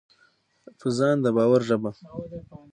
په ځان د باور ژبه: